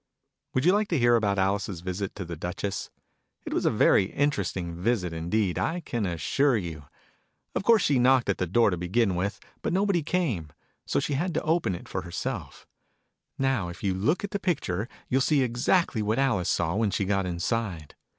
Would you like to hear about Alice's visit to the Duchess ? It was a very interesting visit indeed, I can assure you. Of course she knocked at the door to begin with : but nobody came : so she had to open it for herself. Digitized by Google 30 THE NURSERY "ALICE." Now, if you look at the picture, you'll see exactly what Alice saw when she got inside.